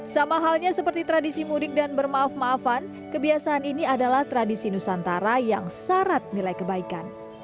sama halnya seperti tradisi mudik dan bermaaf maafan kebiasaan ini adalah tradisi nusantara yang syarat nilai kebaikan